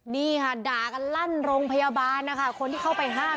นี่ค่ะด่ากันลั่นโรงพยาบาลนะคะคนที่เข้าไปห้าม